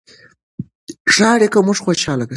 ښه اړیکې موږ خوشحاله ساتي.